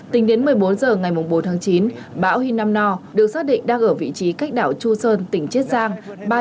tính đến một mươi bốn h ngày bốn chín bão hinamino được xác định đang ở vị trí cách đảo chusun tỉnh chiết giang